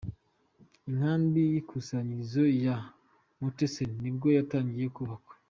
Inkambi y’ikusanyirizo ya Mauthausen ni bwo yatangiye kubakwa.